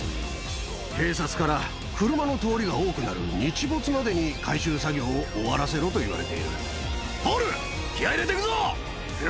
警察から、車の通りが多くなる日没までに回収作業を終わらせろと言われていポール、気合い入れていくぞ！